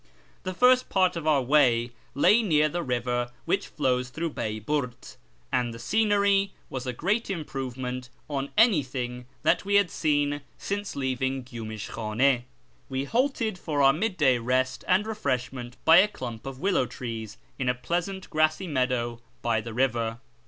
The first part of our way lay near the river which flows through Baiburt, and the scenery was a great improvement on anything that we had seen since leaving Gyumish Khane. We halted for our mid day rest and refreshment by a clump of willow trees in a pleasant grassy meadow by the river.